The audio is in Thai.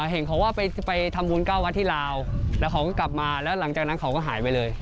เห็นเขาว่าไปทำบุญ๙วัดที่ลาวแล้วเขาก็กลับมาแล้วหลังจากนั้นเขาก็หายไปเลย